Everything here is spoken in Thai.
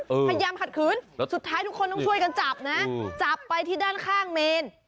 พยายามขัดขืนสุดท้ายทุกคนต้องช่วยกันจับนะจับไปที่ด้านข้างเมน